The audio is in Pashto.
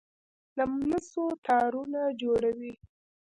د مسو تارونه جوړوي.